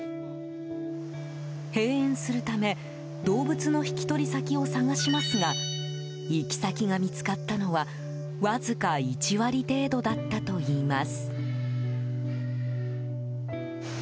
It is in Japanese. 閉園するため動物の引き取り先を探しますが行き先が見つかったのはわずか１割程度だったといいます。